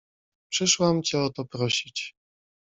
"Przyszłam cię o to prosić."